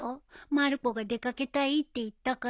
まる子が出掛けたいって言ったから。